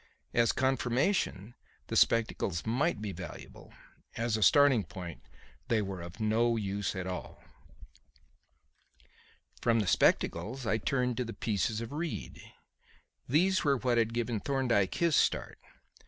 As confirmation the spectacles might be valuable; as a starting point they were of no use at all. From the spectacles I turned to the pieces of reed. These were what had given Thorndyke his start.